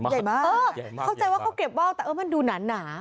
เขาใจว่าเขาเก็บเว่าแต่มันดูหนา